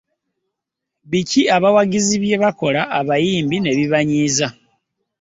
Biki abawagizi bye bakola abayimbi ne bibanyiza?